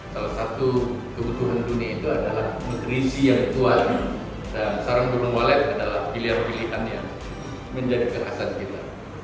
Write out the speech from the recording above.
salah satu kebutuhan dunia itu adalah nutrisi yang kuat dan sarang gunung walet adalah pilihan pilihan yang menjadi kekerasan kita